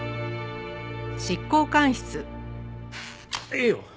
いいよ。